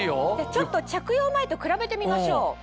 ちょっと着用前と比べてみましょう。